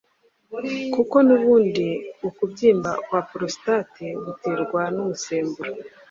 kuko n’ubundi ukubyimba kwa prostate guterwa n’umusemburo